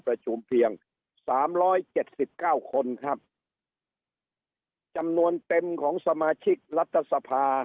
ประชุมเพียงสามร้อยเจ็ดสิบเก้าคนครับจำนวนเต็มของสมาชิกรัฐสภา